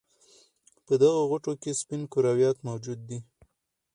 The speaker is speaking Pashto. په دغه غوټو کې سپین کرویات موجود دي.